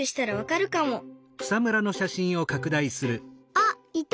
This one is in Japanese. あっいた！